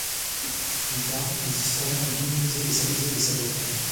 Plus tard, les historiens ont tendance à minimiser les sabotages.